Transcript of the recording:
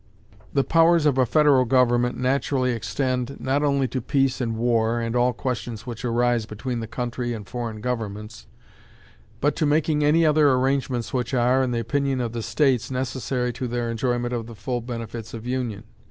The powers of a federal government naturally extend not only to peace and war, and all questions which arise between the country and foreign governments, but to making any other arrangements which are, in the opinion of the states, necessary to their enjoyment of the full benefits of union.